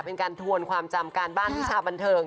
เป็นการทวนความจำการบ้านวิชาบันเทิง